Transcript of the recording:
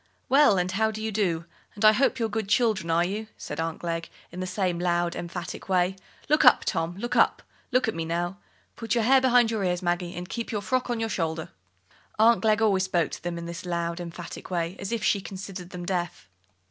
"Well, and how do you do? And I hope you're good children, are you?" said Aunt Glegg, in the same loud, emphatic way. "Look up, Tom, look up. Look at me now. Put your hair behind your ears, Maggie, and keep your frock on your shoulder." Aunt Glegg always spoke to them in this loud, emphatic way, as if she considered them deaf.